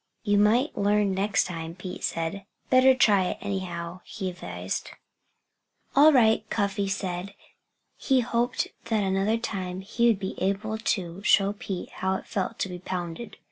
"You might learn next time," Pete said, "Better try it, anyhow," he advised. "All right!" Cuffy said. He hoped that another time he would be able to show Pete how it felt to be pounded.